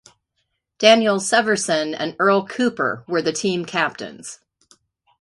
Daniel Severson and Earle Cooper were the team captains.